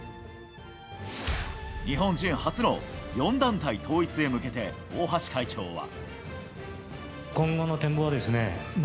日本人初の４団体統一へ向けて大橋会長は。